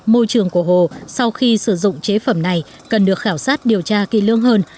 môi trường của hồ sau khi sử dụng chế phẩm này cần được khảo sát điều tra kỳ lương hơn